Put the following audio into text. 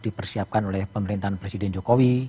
dipersiapkan oleh pemerintahan presiden jokowi